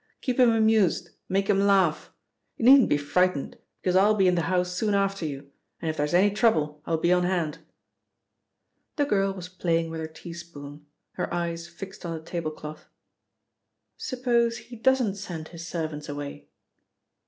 Keep him amused, make him laugh. You needn't be frightened because I'll be in the house soon after you, and if there's any trouble I'll be on hand." The girl was playing with her teaspoon, her eyes fixed on the tablecloth. "Suppose he doesn't send his servants away?"